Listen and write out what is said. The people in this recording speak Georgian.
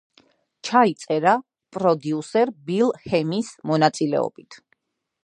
ჩაიწერა პროდიუსერ ბილ ჰემის მონაწილეობით.